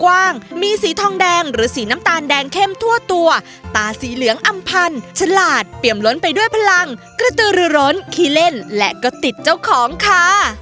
อาสีเหลืองอำพันธ์ฉลาดเปรียบล้นไปด้วยพลังกระตือรือร้นคีย์เล่นและก็ติดเจ้าของค่ะ